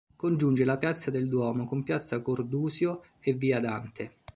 Congiunge la piazza del Duomo con piazza Cordusio e via Dante.